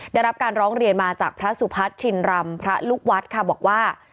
ได้รับการร้องเรียนมาจากพระสุพัฒน์ชินรำพระลูกวัดค่ะบอกว่า